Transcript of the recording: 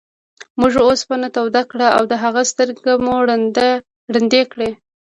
موږ اوسپنه توده کړه او د هغه سترګې مو ړندې کړې.